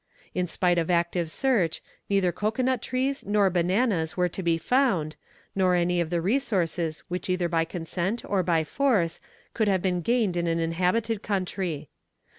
In spite of active search, neither cocoanut trees nor bananas were to be found, nor any of the resources which either by consent or by force, could have been gained in an inhabited country.